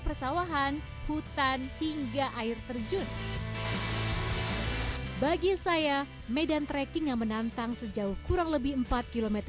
persawahan hutan hingga air terjun bagi saya medan trekking yang menantang sejauh kurang lebih empat km